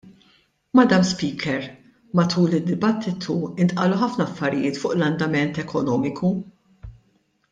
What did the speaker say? Madam Speaker, matul id-dibattitu ntqalu ħafna affarijiet fuq l-andament ekonomiku.